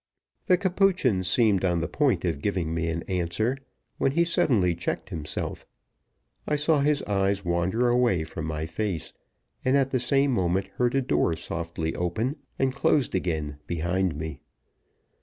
The Capuchin seemed on the point of giving me an answer, when he suddenly checked himself. I saw his eyes wander away from my face, and at the same moment heard a door softly opened and closed again behind me.